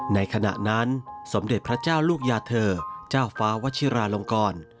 ในขณะนั้นสมเด็จพระเจ้าลูกยาเธอเจ้าฟ้าวัชิราลงกร